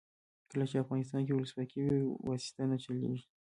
کله چې افغانستان کې ولسواکي وي واسطه نه چلیږي.